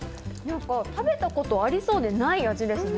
食べたことありそうで、ない味ですよね。